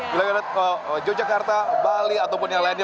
bila kita lihat yogyakarta bali ataupun yang lainnya